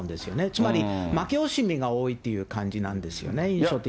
つまり負け惜しみが多いという感じなんですよね、印象的に。